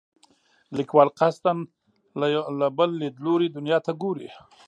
لیکوال قصدا له بل لیدلوري دنیا ته ګوري.